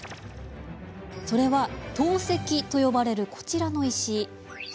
それは陶石と呼ばれるこちらの石。